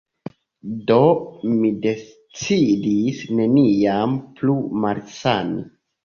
Do, mi decidis neniam plu malsani.